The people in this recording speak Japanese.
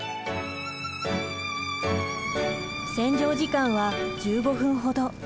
洗浄時間は１５分ほど。